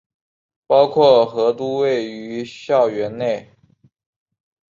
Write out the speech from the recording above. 包括和都位于校园内。